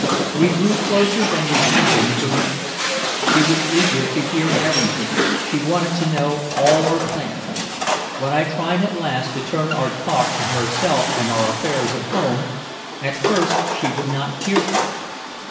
We drew closer than we had been for months. She was eager to hear everything, she wanted to know all our plans. When I tried at last to turn our talk to herself and our affairs at home, at first she would not hear to it.